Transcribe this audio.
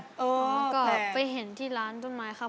แล้วก็ไปเห็นที่ร้านต้นไม้ครับ